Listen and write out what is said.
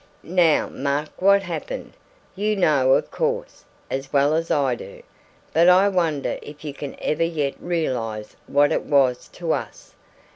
"Now mark what happened. You know, of course, as well as I do; but I wonder if you can even yet realize what it was to us!